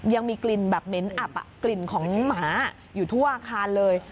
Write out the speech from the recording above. ยังมีกลิ่นแบบเหม็นอับกลิ่นของหมาอยู่ทั่วอาคารเลย